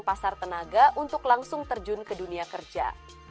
pasar tenaga untuk langsung terjun ke dunia kerja